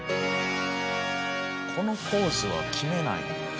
このポーズは決めない。